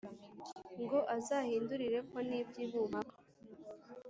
ngo azahindurire ko n’iby’i bumpaka